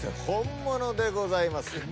本物でございます。